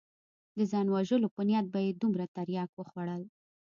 د ځان وژلو په نيت به يې دومره ترياک وخوړل.